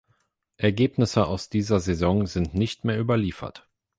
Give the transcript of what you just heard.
Ergebnisse aus dieser Saison sind nicht mehr überliefert.